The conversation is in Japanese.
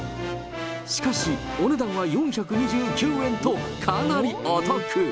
しかし、お値段は４２９円と、かなりお得。